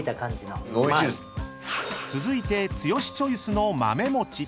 ［続いて剛チョイスの豆もち］